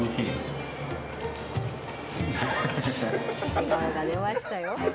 笑顔が出ましたよ。